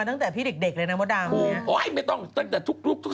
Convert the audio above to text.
คนอยากไปเล่นสนุกึาษณ์กันอยู่